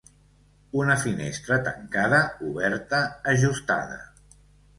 Una finestra tancada, oberta, ajustada.